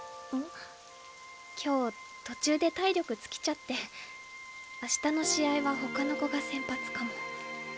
今日途中で体力尽きちゃってあしたの試合は他の子が先発かも。